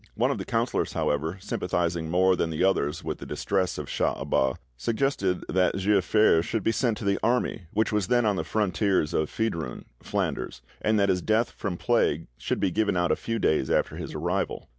One of the councillors, however, sympathising more than the others with the distress of Cha Abas, suggested that Giafer should be sent to the army, which was then on the frontiers of Feidrun (Flanders), and that his death from plague should be given out a few days after his arrival.